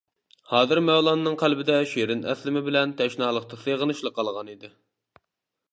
ھازىر مەۋلاننىڭ قەلبىدە شېرىن ئەسلىمە بىلەن تەشنالىقتا سېغىنىشلا قالغانىدى.